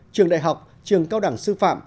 trường đại học trường cao đẳng sư phạm